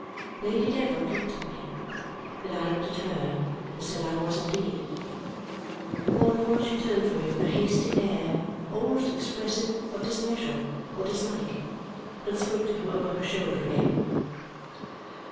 Lady Dedlock looked at me, and I looked at her and said I was indeed. All at once she turned from me with a hasty air, almost expressive of displeasure or dislike, and spoke to him over her shoulder again.